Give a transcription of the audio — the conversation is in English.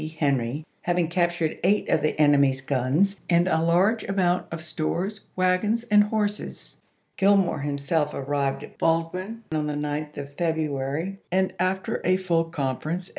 Henry having captured eight of the en emy's guns, and a large amount of stores, wagons, and horses. Gillmore himself arrived at Baldwin on the 9th of February, and after a full conference i864.